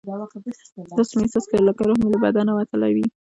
داسې مې احساس کړه لکه روح مې له بدنه وتلی وي.